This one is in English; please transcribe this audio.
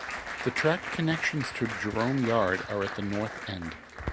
The track connections to Jerome Yard are at the north end.